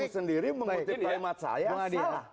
bung sendiri mengerti kalimat saya salah